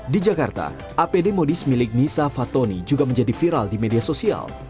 di jakarta apd modis milik nisa fatoni juga menjadi viral di media sosial